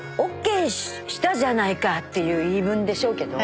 ＯＫしたじゃないかっていう言い分でしょうけど。